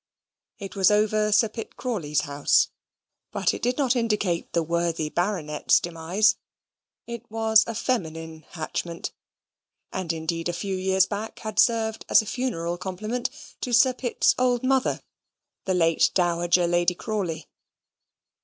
It was over Sir Pitt Crawley's house; but it did not indicate the worthy baronet's demise. It was a feminine hatchment, and indeed a few years back had served as a funeral compliment to Sir Pitt's old mother, the late dowager Lady Crawley.